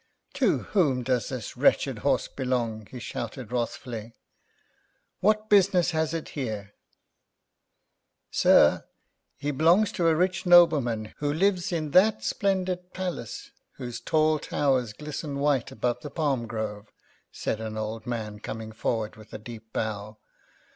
"To whom does this wretched horse belong?" he shouted wrathfully. "What business has it here?" "Sir, he belongs to a rich nobleman, who lives in that splendid palace whose tall towers glisten white above the palm grove," said an old man, coming forward with a deep bow.